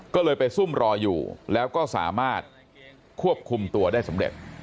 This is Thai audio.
ก็เลยไปซุ่มรออยู่แล้วก็สามารถควบคุมตัวได้สำเร็จ